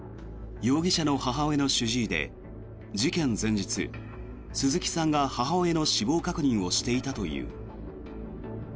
容疑者の母親の主治医で事件前日鈴木さんが母親の死亡確認をしていたという。